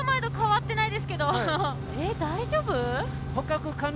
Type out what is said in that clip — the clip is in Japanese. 大丈夫？